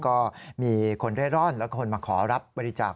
ก็มีคนเร่ร่อนและคนมาขอรับบริจาค